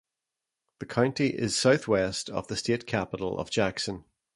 The county is southwest of the state capital of Jackson.